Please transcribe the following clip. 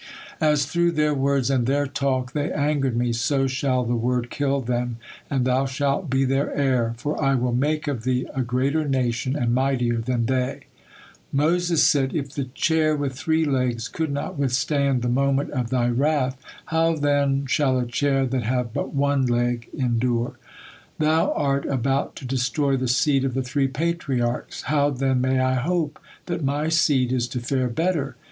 As through their words and their talk they angered Me, so shall the word kill them, and thou shalt be their heir, for 'I will make of thee a greater nation and mightier than they.'" Moses said: "If the chair with three legs could not withstand the moment of Thy wrath, how then shall a chair that have but one leg endure? Thou are about to destroy the seed of the three Patriarchs; how then may I hope that my seed is to fare better?